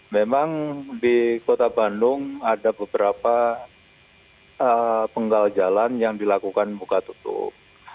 memang di kota bandung ada beberapa penggal jalan yang dilakukan buka tutup